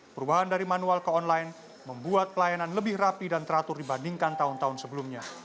perubahan dari manual ke online membuat pelayanan lebih rapi dan teratur dibandingkan tahun tahun sebelumnya